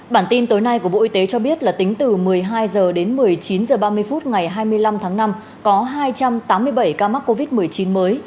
bản tin tối nay của bộ y tế cho biết là tính từ một mươi hai h đến một mươi chín h ba mươi phút ngày hai mươi năm tháng năm có hai trăm tám mươi bảy ca mắc covid một mươi chín mới